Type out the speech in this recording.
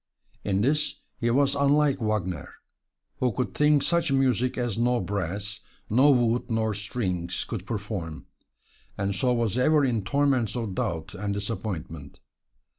In this he was unlike Wagner, who could think such music as no brass, no wood nor strings could perform, and so was ever in torments of doubt and disappointment.